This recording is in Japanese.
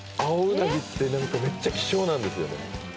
うなぎって何かめっちゃ希少なんですよね